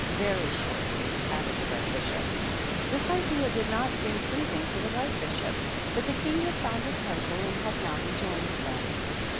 ^'Very short," added the Red Bishop. This idea did not seem pleasing to the White Bishop, but the King had found his pencil and had now rejoined them.